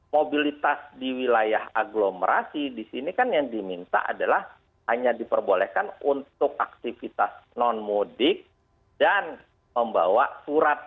mobilitas di wilayah agglomerasi di sini kan yang diminta adalah hanya diperbolehkan untuk aktivitas non mudik dan membawa surat